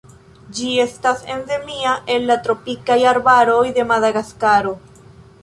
Ĝi estas endemia al la tropikaj arbaroj de Madagaskaro.